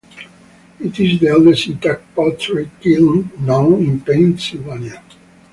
It is the oldest intact pottery kiln known in Pennsylvania.